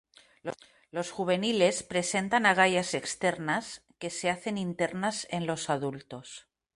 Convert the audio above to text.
Los juveniles presentan agallas externas, que se hacen internas en los adultos.